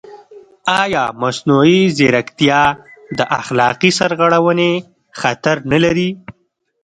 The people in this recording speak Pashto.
ایا مصنوعي ځیرکتیا د اخلاقي سرغړونې خطر نه لري؟